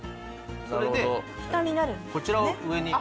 それでこちらを上に。